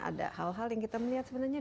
ada hal hal yang kita melihat sebenarnya